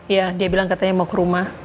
ya dia bilang katanya mau ke rumah